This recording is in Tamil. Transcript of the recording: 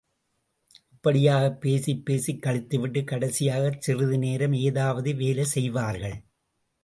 இப்படியாகப் பேசிப் பேசிக் கழித்துவிட்டுக் கடைசியாகச் சிறிது நேரம் ஏதாவது வேலைசெய்வார்கள்.